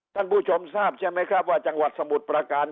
ท่านผู้ชมทราบใช่ไหมครับว่าจังหวัดสมุทรประการ